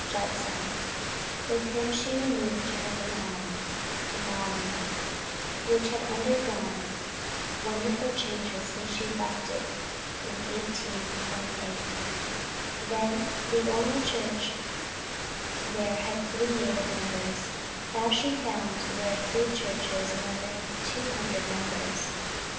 Judson With him she removed to her new home in Maulmain, which had undergone wonderful changes since she left it in 1828. Then, the only church there had three native members; now she found there three churches numbering two hundred members!